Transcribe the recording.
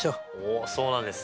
おそうなんですね。